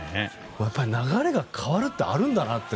流れが変わるってあるんだなって